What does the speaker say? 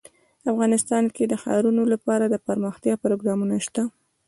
افغانستان کې د ښارونه لپاره دپرمختیا پروګرامونه شته.